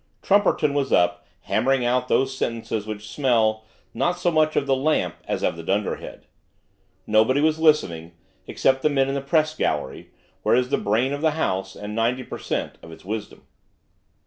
Trumperton was up, hammering out those sentences which smell, not so much of the lamp as of the dunderhead. Nobody was listening, except the men in the Press Gallery; where is the brain of the House, and ninety per cent. of its wisdom.